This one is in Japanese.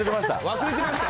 忘れてました？